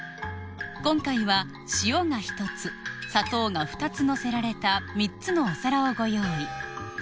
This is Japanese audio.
今回は塩が１つ砂糖が２つ乗せられた３つのお皿をご用意